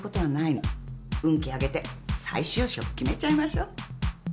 運気上げて再就職決めちゃいましょ。